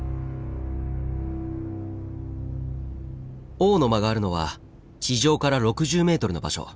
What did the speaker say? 「王の間」があるのは地上から６０ｍの場所。